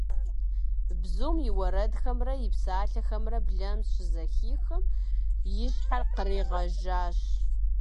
Бзум и уэрэдхэмрэ и псалъэхэмрэ блэм щызэхихым, и щхьэр къригъэжащ.